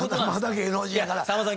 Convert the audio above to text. さんまさん。